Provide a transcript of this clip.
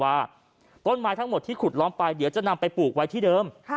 ว่าต้นไม้ทั้งหมดที่ขุดล้อมไปเดี๋ยวจะนำไปปลูกไว้ที่เดิม